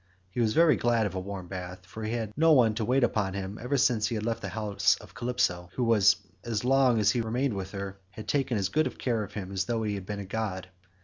He was very glad of a warm bath, for he had had no one to wait upon him ever since he left the house of Calypso, who as long as he remained with her had taken as good care of him as though he had been a god.